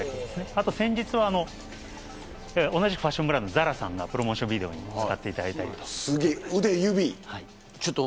あと先日は同じくファッションブランドのＺＡＲＡさんのプロモーションビデオにも使っていただいたりと。